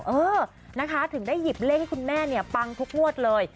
เออนะคะถึงได้หยิบเลขให้คุณแม่เนี่ยปังทุกงวดเลย